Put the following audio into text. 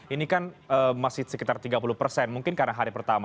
ini kan masih sekitar tiga puluh persen mungkin karena hari pertama